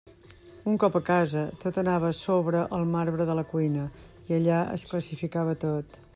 Un cop a casa, tot anava a sobre el marbre de la cuina, i allà es classificava tot.